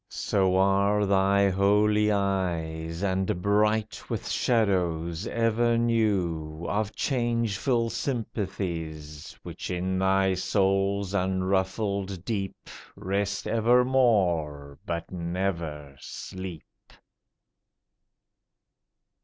So are thy holy eyes, And bright with shadows ever new Of changeful sympathies, Which in thy soul's unruffled deep Rest evermore, but never sleep.